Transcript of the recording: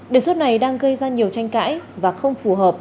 đề xuất này đang gây ra nhiều tranh cãi và không phù hợp